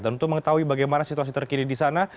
dan untuk mengetahui bagaimana situasi terkini di sana